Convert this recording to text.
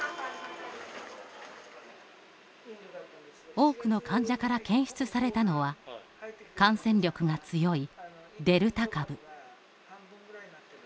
多くの患者から検出されたのは感染力が強いデルタ株。